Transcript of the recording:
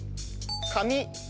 紙。